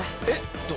えっ！？